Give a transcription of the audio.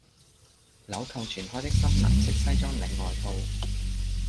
鈕扣全開的深藍色西裝領外套